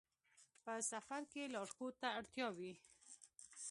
په سفر کې لارښود ته اړتیا وي.